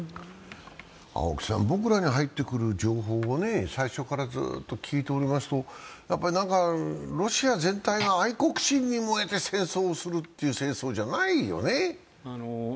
青木さん、僕らに入ってくる情報を最初からずっと聞いておりますと、ロシア全体が愛国心に燃えて戦争をするという戦争じゃないよね。